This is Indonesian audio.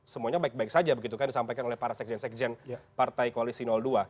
semuanya baik baik saja begitu kan disampaikan oleh para sekjen sekjen partai koalisi dua